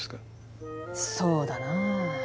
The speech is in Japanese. そうだなぁ。